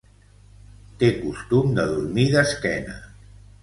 Té costum de dormir d'esquena.